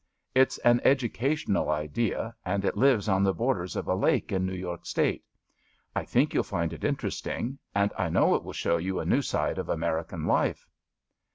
It's an educa tional idea, and it lives on the borders of a lake in New York State. I think you'll find it interest ing; and I know it will show you a new side of American life.